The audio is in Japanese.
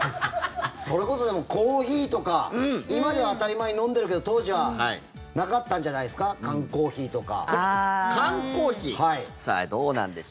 それこそ、でもコーヒーとか今では当たり前に飲んでるけど当時はなかったんじゃないですか缶コーヒーとか。